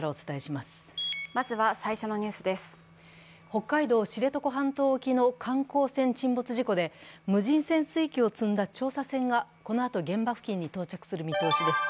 北海道・知床半島沖の観光船沈没事故で無人潜水機を積んだ調査船がこのあと現場付近に到着する見通しです。